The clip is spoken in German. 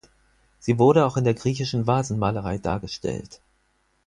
Sie wurde auch in der griechischen Vasenmalerei dargestellt.